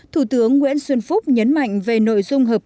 thủ tướng nguyễn xuân phúc nhấn mạnh về nội dung hợp tác